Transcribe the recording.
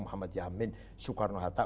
muhammadiyah amin sukarno hatta